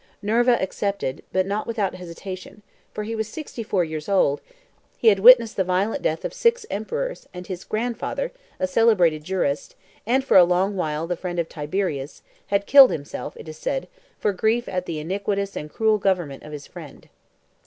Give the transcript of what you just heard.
Nerva accepted, but not without hesitation, for he was sixty four years old; he had witnessed the violent death of six emperors, and his grandfather, a celebrated jurist, and for a long while a friend of Tiberius, had killed himself, it is said, for grief at the iniquitous and cruel government of his friend.